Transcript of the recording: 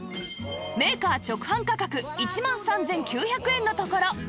メーカー直販価格１万３９００円のところ